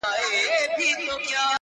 له نېستۍ به سې فارغ په زړه به ښاد سې؛